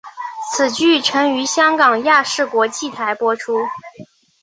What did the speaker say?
此剧曾于香港亚视国际台播出。